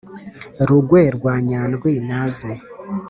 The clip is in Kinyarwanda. rugwe rwa nyandwi naze